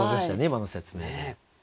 今の説明で。